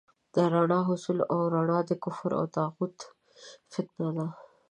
د رڼا حصول او رڼا د کفر او طاغوت فتنه ده.